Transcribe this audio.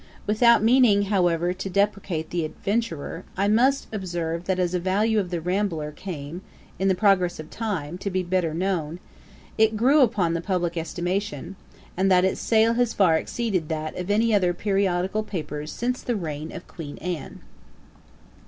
Without meaning, however, to depreciate The Adventurer, I must observe that as the value of The Rambler came, in the progress of time, to be better known, it grew upon the publick estimation, and that its sale has far exceeded that of any other periodical papers since the reign of Queen Anne.